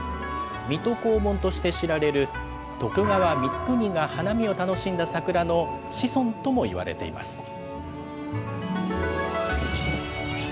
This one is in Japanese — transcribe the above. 水戸黄門として知られる徳川光圀が花見を楽しんだ桜の子孫ともいわれています。